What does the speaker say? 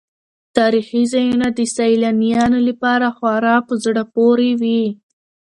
تاریخي ځایونه د سیلانیانو لپاره خورا په زړه پورې وي.